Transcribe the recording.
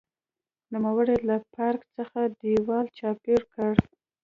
نوموړي له پارک څخه دېوال چاپېر کړ.